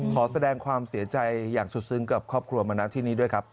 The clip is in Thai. ขอแสดงความเสียใจอย่างสุดซึ้งกับครอบครัวมณะที่นี้ด้วยครับ